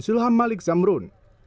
zulham malik zamrun